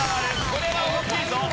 これは大きいぞ。